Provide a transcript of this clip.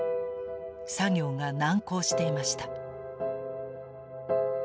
作業が難航していました。